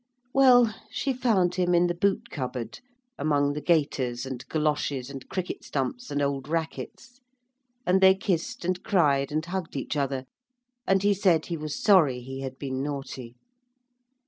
Well, she found him in the boot cupboard, among the gaiters and goloshes and cricket stumps and old rackets, and they kissed and cried and hugged each other, and he said he was sorry he had been naughty.